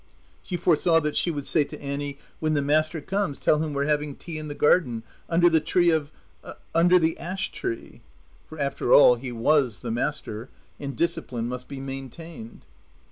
She foresaw that she would say to Annie, "When the master comes tell him we're having tea in the garden, under the tree of under the ash tree" (for after all, he was the master, and discipline must be maintained).